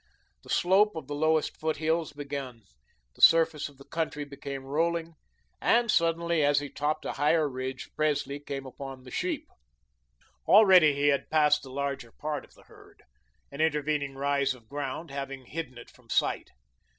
The slope of the lowest foothills begun, the surface of the country became rolling, and, suddenly, as he topped a higher ridge, Presley came upon the sheep. Already he had passed the larger part of the herd an intervening rise of ground having hidden it from sight.